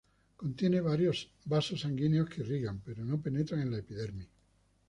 Contiene vasos sanguíneos que irrigan pero no penetran en la epidermis.